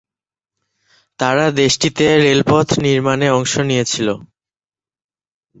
তারা দেশটিতে রেলপথ নির্মাণে অংশ নিয়েছিল।